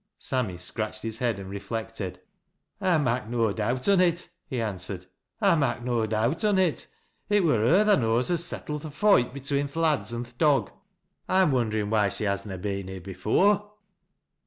Saramy scratched his head and reflected. " 1 mak' no doubt on it," he answered. " I mak' no doubt on it. It wur her, tha knows, as settlet th' foight betwixt th' lads an' th' dog. I'm wonderin' why she haa na been here afore."